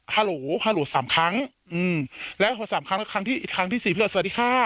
ฮาโหลฮาโหลสามครั้งอืมแล้วโหสามครั้งครั้งที่อีกครั้งที่สี่พี่หอสวัสดีค่ะ